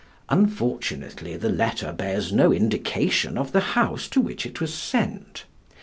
Unfortunately the letter bears no indication of the house to which it was sent.